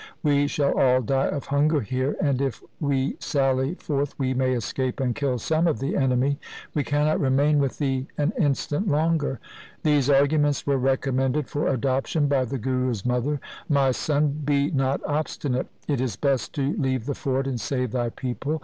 We shall all die of hunger here, and if we sally forth we may escape and kill some of the enemy. We cannot remain with thee an instant longer.' These arguments were recommended for adoption by the Guru's mother —' My son, be not obstinate. It is best to leave the fort and save thy people.